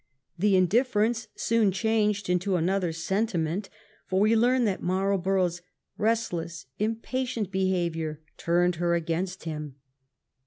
The indifference soon changed into another sentiment, for we learn that Marlbor ough's " restless, impatient behaviour turned her against him."